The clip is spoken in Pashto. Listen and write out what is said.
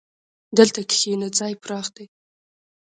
دلته کښېنه، ځای پراخ دی.